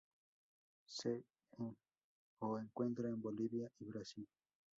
Se o encuentra en Bolivia y Brasil.